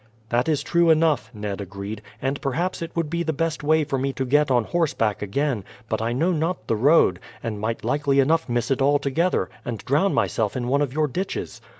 "That is true enough," Ned agreed; "and perhaps it would be the best way for me to get on horseback again, but I know not the road, and might likely enough miss it altogether, and drown myself in one of your ditches."